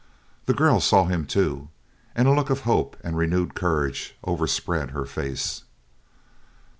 The girl saw him too, and a look of hope and renewed courage overspread her face.